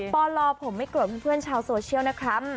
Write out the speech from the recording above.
ปลผมไม่โกรธเพื่อนชาวโซเชียลนะครับ